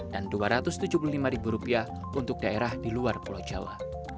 dan rp dua ratus tujuh puluh lima untuk daerah di luar pulau jawa